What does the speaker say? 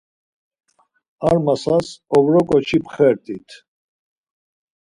Ar masas ovro ǩoçi pxert̆it.